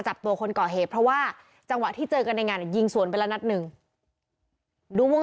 ใช้ตัวคนก่อเหตุเว๊วเยาะที่เจอกันเนี่ยยิงสวนเยาะนักหนึ่งดูเฮาะ